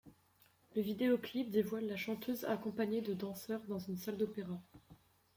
Le vidéoclip dévoile la chanteuse accompagnée de danseurs dans une salle d'Opéra.